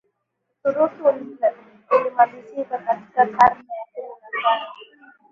Uturuki ulimalizika katika karne ya kumi na tano